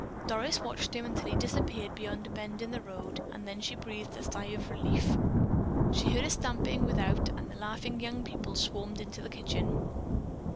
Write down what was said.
Doris watched him until he disappeared beyond a bend in the road and then she breathed a sigh of relief. She heard a stamping without and the laughing young people swarmed into the kitchen.